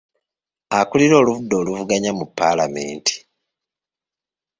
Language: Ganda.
Akulira oludda oluvuganya mu paalamenti.